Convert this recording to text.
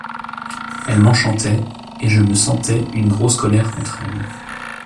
Elle m’enchantait, et je me sentais une grosse colère contre elle.